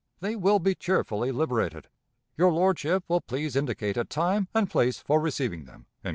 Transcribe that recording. They will be cheerfully liberated. Your lordship will please indicate a time and place for receiving them."